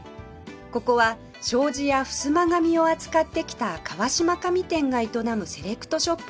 ここは障子やふすま紙を扱ってきた川島紙店が営むセレクトショップです